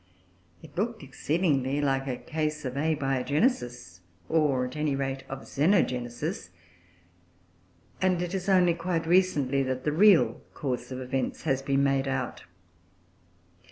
It looked exceedingly like a case of Abiogenesis, or, at any rate, of Xenogenesis; and it is only quite recently that the real course of events has been made out.